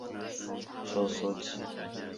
它通常结合催产素作为子宫收缩剂。